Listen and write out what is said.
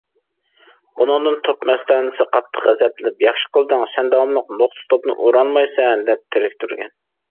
بۇنىڭدىن توپ مەستانىسى قاتتىق غەزەپلىنىپ« ياخشى قىلدىڭ، سەن داۋاملىق نۇقتا توپنى ئۇرالمايسەن» دەپ تېرىكتۈرگەن.